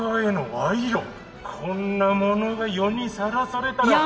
「こんなものが世にさらされたら」